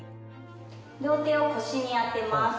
両手を腰に当てます。